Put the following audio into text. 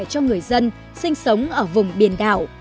cho người dân sinh sống ở vùng biển đảo